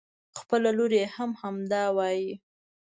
خپله لور يې هم همدا وايي.